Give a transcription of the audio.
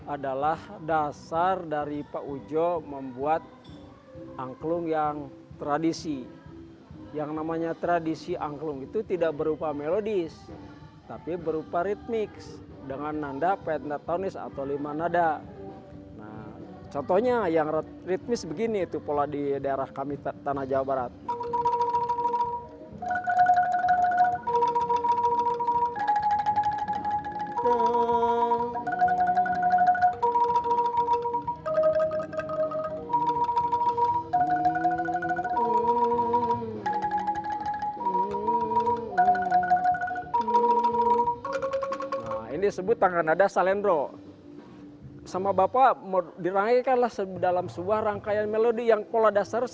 adalah dasar dari pak ujjo membuat angklung yang tradisi yang namanya tradisi angklung itu tidak berupa melodis yang namanya tradisi angklung itu tidak berupa melodis